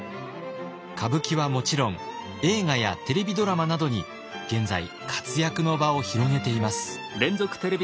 歌舞伎はもちろん映画やテレビドラマなどに現在活躍の場を広げています。